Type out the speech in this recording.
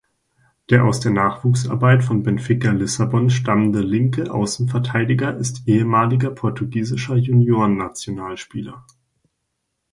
Der aus der Nachwuchsarbeit von Benfica Lissabon stammende linke Außenverteidiger ist ehemaliger portugiesischer Juniorennationalspieler.